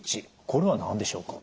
これは何でしょうか？